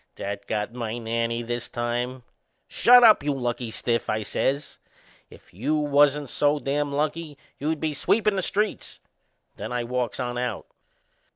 That got my nanny this time. "Shut up, you lucky stiff!" I says. "If you wasn't so dam' lucky you'd be sweepin' the streets." Then I walks on out.